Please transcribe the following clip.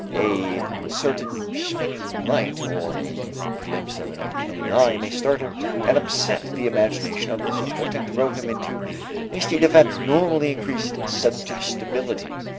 A certain shining light or a glimpse of an uncanny eye may startle and upset the imagination of the subject and throw him into a state of abnormally increased suggestibility.